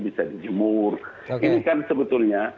bisa dijemur ini kan sebetulnya